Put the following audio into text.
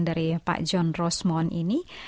dari pak john rosmond ini